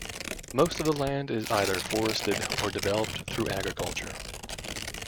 Most of the land is either forested or developed through agriculture.